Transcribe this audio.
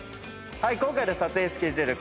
今回の撮影スケジュール